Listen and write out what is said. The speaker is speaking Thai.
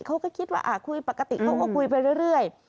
เขาก็คิดว่าคุยปกติเขาก็คุยไปเรื่อย